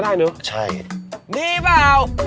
อะไรอ่ะ